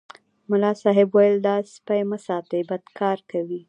ملا صاحب ویل دا سپي مه ساتئ بد کار کوي.